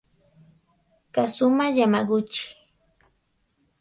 Kazuma Yamaguchi